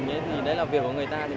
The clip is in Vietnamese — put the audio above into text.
nhưng tuyệt nhiên không ai dám đàn thiệp